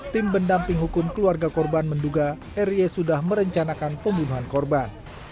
tim bendamping hukum keluarga korban menduga r i e sudah merencanakan pembunuhan korban